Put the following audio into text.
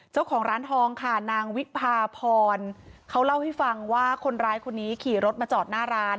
เจ้าของร้านทองค่ะนางวิพาพรเขาเล่าให้ฟังว่าคนร้ายคนนี้ขี่รถมาจอดหน้าร้าน